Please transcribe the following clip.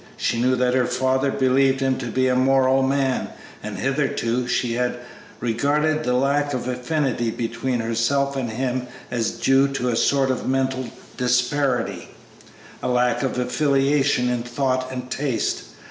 She knew that her father believed him to be a moral man, and hitherto she had regarded the lack of affinity between herself and him as due to a sort of mental disparity a lack of affiliation in thought and taste.